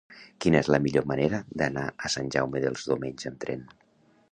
Quina és la millor manera d'anar a Sant Jaume dels Domenys amb tren?